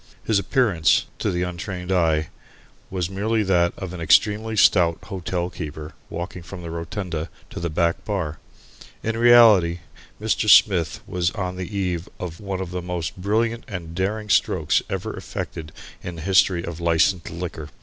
His appearance, to the untrained eye, was merely that of an extremely stout hotelkeeper walking from the rotunda to the back bar. In reality, Mr. Smith was on the eve of one of the most brilliant and daring strokes ever effected in the history of licensed liquor.